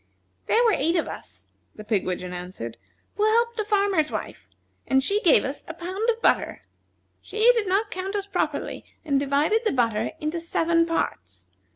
"There were eight of us," the pigwidgeon answered, "who helped a farmer's wife, and she gave us a pound of butter. She did not count us properly, and divided the butter into seven parts.